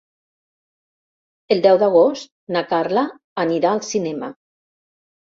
El deu d'agost na Carla anirà al cinema.